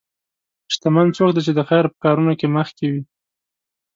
شتمن څوک دی چې د خیر په کارونو کې مخکې وي.